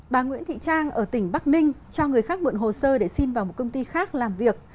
bà nguyễn thị trang ở tỉnh bắc ninh cho người khác mượn hồ sơ để xin vào một công ty khác làm việc